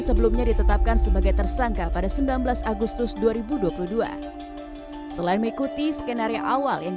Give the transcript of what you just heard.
sebelumnya ditetapkan sebagai tersangka pada sembilan belas agustus dua ribu dua puluh dua selain mengikuti skenario awal yang